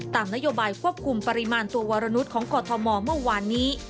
ตามนโยบายควบคุมปริมาณตัววรนุษย์ของกรทมเมื่อวานนี้